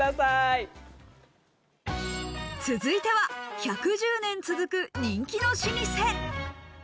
続いては１１０年続く人気の老舗。